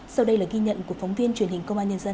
sau đây là ghi nhận của phóng viên truyền hình công an nhân dân